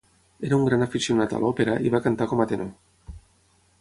Era un gran aficionat a l'òpera i va cantar com a tenor.